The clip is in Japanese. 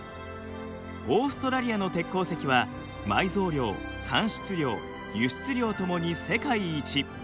オーストラリアの鉄鉱石は埋蔵量産出量輸出量ともに世界一。